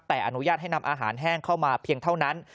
แต่อนุญาตให้นำอาหารแห้งเข้ามาเพียงเท่านั้น